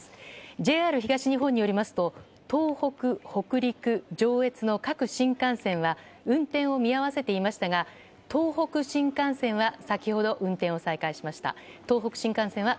ＪＲ東日本によりますと東北、北陸、上越の各新幹線は運転を見合わせていましたが東北新幹線は先ほど運転を再開しました。